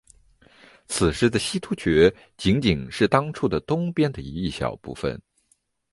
此时的西突厥仅仅是当初的东边一小部分。